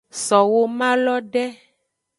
So womalo de.